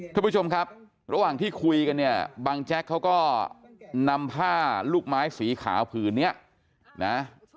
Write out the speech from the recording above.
ท่านผู้ชมครับระหว่างที่คุยกันเนี่ยบังแจ๊กเขาก็นำผ้าลูกไม้สีขาวผืนนี้นะ